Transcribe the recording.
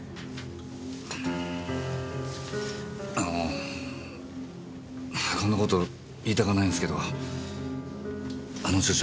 あのこんな事言いたかないんすけどあの調書